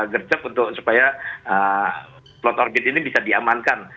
gercep supaya plot orbit ini bisa diamankan